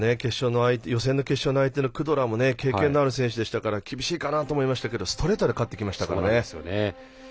予選の決勝の相手のクドラも経験のある選手でしたから厳しいかなと思いましたがストレートで勝ってきましたからね。